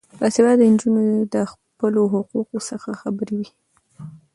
باسواده نجونې د خپلو حقونو څخه خبرې وي.